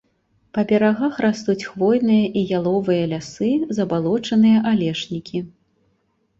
Па берагах растуць хвойныя і яловыя лясы, забалочаныя алешнікі.